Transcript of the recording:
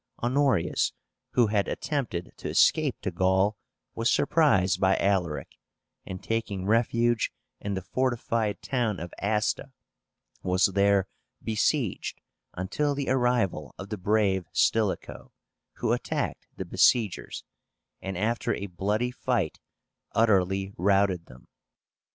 Honorius, who had attempted to escape to Gaul, was surprised by Alaric, and, taking refuge in the fortified town of Asta, was there besieged until the arrival of the brave Stilicho, who attacked the besiegers, and after a bloody fight utterly routed them.